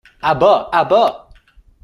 À bas! à bas !